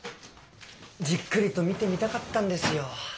じっくりと見てみたかったんですよ。